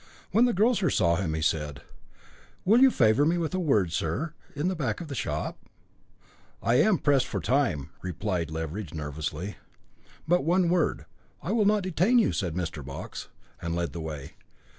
When the grocer saw him he said: "Will you favour me with a word, sir, in the back shop?" "I am pressed for time," replied Leveridge nervously. "But one word; I will not detain you," said Mr. Box, and led the way.